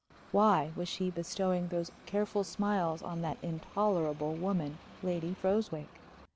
Why was she bestowing those careful smiles on that intolerable woman, Lady Froswick?